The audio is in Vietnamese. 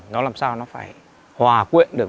nó làm sao nó phải hòa quyện được